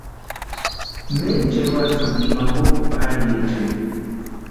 ¿Nécha eroasïni imani puki pariechani?